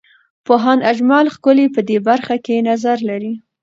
پوهاند اجمل ښکلی په دې برخه کې نظر لري.